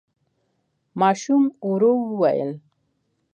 ماشوم ورو وويل: